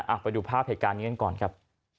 ไปดูภาพเหตุการณ์นี้กันก่อนครับ